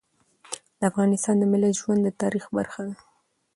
د افغانستان د ملت ژوند د تاریخ برخه ده.